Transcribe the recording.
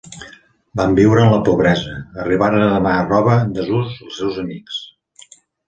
Van viure en la pobresa: arribaren a demanar roba en desús als seus amics.